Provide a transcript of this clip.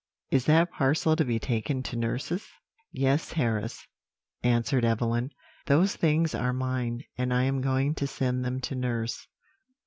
Is that parcel to be taken to nurse's?' "'Yes, Harris,' answered Evelyn; 'those things are mine, and I am going to send them to nurse.'